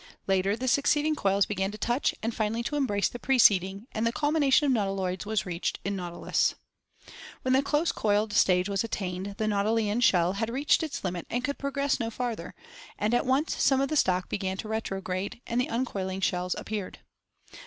Later the succeeding coils began to touch and finally Fkj.hi.— Goniatoid shell, to embrace the (From Schucberi's HtiUriaU preceding and Ceo/en.) \,,... the culmination of nautiloids was reached in Nautilus (Fig. 106). When the close coiled stage was at tained the nautilian shell had reached its limit and could progress no farther, and at once some of the stock began to re trograde, and uncoiling shells appeared.